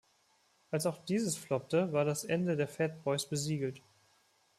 Als auch dieses floppte, war das Ende der Fat Boys besiegelt.